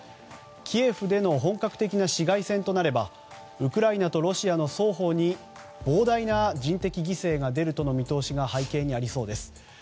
キエフでの本格的な市街戦となればウクライナとロシアの双方に、膨大な人的犠牲が出るとの見通しが背景にありそうです。